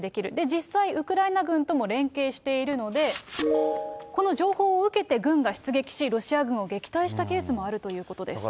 実際、ウクライナ軍とも連携しているので、この情報を受けて軍が出撃し、ロシア軍を撃退したケースもあるということです。